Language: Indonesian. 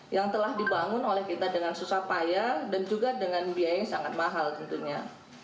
yang telah dibangun oleh kita dengan susah payah dan juga dengan biaya yang sangat mahal tentunya